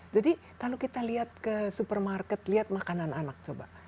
jadi kalau kita lihat ke supermarket lihat makanan anak coba